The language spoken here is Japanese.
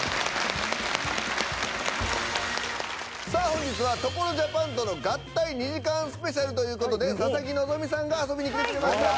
さあ本日は「所ＪＡＰＡＮ」との合体２時間スペシャルという事で佐々木希さんが遊びに来てくれました。